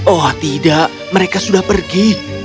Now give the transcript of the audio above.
oh tidak mereka sudah pergi